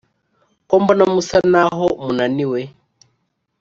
kombona musa naho munaniwe